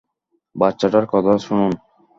বাচ্চাটার কথা শুনুন!